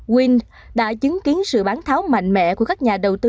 win đã chứng kiến sự bán tháo mạnh mẽ của các nhà đầu tư